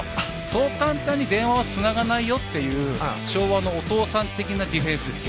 そう簡単に電話はつながないよという昭和のお父さん的なディフェンスです。